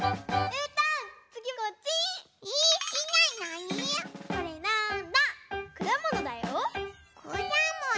うん！